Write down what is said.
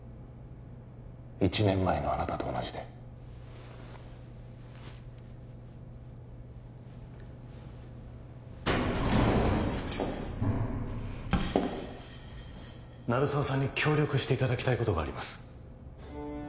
１年前のあなたと同じで鳴沢さんに協力していただきたいことがあります